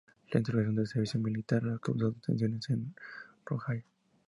La introducción del servicio militar ha causado tensiones en Rojava.